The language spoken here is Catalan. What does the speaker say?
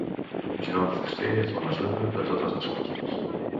Joan Fuster és la mesura de totes les coses.